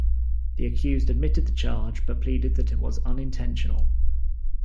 The accused admitted the charge, but pleaded that it was unintentional.